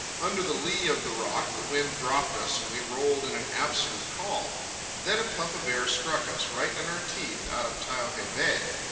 Under the lea of the rock the wind dropped us, and we rolled in an absolute calm. Then a puff of air struck us, right in our teeth, out of Taiohae Bay.